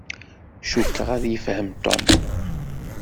Cukkeɣ ad yefhem Tom.